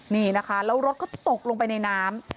นี่นะคะแล้วรถก็ตกลงไปในน้ำ